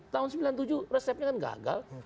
tahun sembilan puluh tujuh resepnya kan gagal